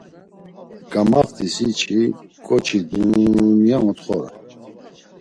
Gamaft̆isi çi ǩoçi duuuunya ontxoray!